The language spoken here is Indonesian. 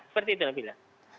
seperti itu nabila